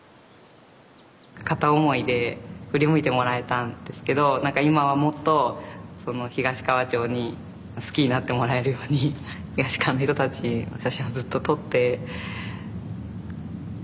片思いで振り向いてもらえたんですけど何か今はもっと東川町に好きになってもらえるように東川の人たちの写真をずっと撮っていくことかなと思っているので。